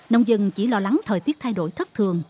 nông dân chỉ lo lắng thời tiết thay đổi thất thường